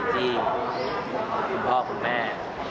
ที่คุณพ่อคุณแม่